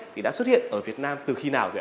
thì đã xuất hiện ở việt nam từ khi nào rồi